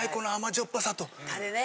タレね。